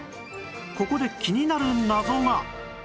ここで気になる謎が